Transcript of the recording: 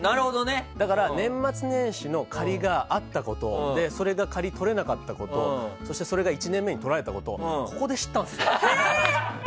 だから年末年始の仮があったことそれが仮とれなかったことそしてそれが１年目にとられたことをここで知ったんです。